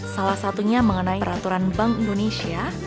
salah satunya mengenai peraturan bank indonesia